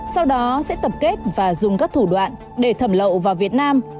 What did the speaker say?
sau đó sẽ tập kết và dùng các thủ đoạn để thẩm lậu vào việt nam